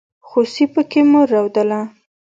خوسي پکې مور رودله.